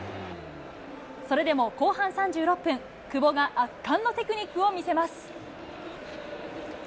それでも後半３６分、久保が圧巻のテクニックを見せます。